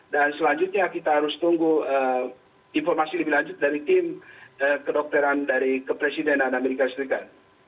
dan selanjutnya kita harus tunggu informasi lebih lanjut dari tim kedokteran dari kepresidenan amerika serikat